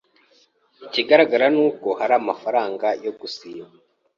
Ikigaragara nuko hari amafaranga yo gusiba.